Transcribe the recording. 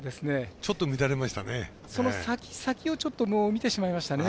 ちょっと乱れましたね。